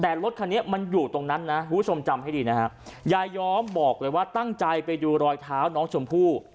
แต่รถคันนี้มันอยู่ตรงนั้นนะคุณผู้ชมจำให้ดีนะฮะยายย้อมบอกเลยว่าตั้งใจไปดูรอยเท้าน้องชมพู่